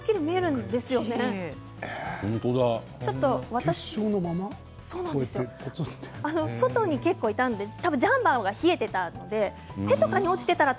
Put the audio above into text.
多分外に結構いたのでジャンパーが冷えていたんだと思います。